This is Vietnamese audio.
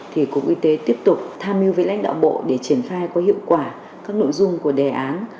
thì cục y tế tiếp tục tham mưu với lãnh đạo bộ để triển khai có hiệu quả các nội dung của đề án